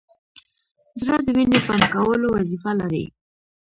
زړه د وینې پمپ کولو وظیفه لري.